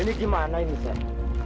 ini bagaimana teng